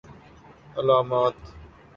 علامات